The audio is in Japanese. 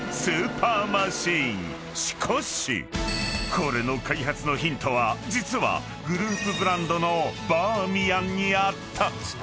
［これの開発のヒントは実はグループブランドのバーミヤンにあった］